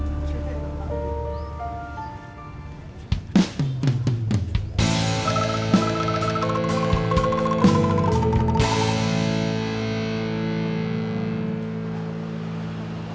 ya udah kabeing kabeing